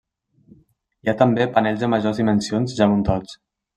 Hi ha també panells de majors dimensions ja muntats.